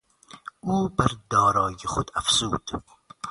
او بر دارایی خود افزود.